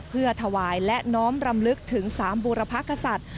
เพื่อถวายและน้อมรำลึกถึง๓บูรพกษัตริย์